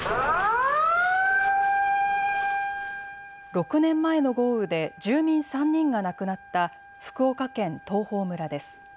６年前の豪雨で住民３人が亡くなった福岡県東峰村です。